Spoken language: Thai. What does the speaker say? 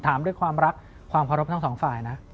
ถามด้วยความรักความโปรดพอรองทั้ง๒ฝ่ายนะ